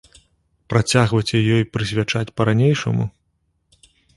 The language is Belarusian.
Працягваеце ёй прысвячаць па-ранейшаму?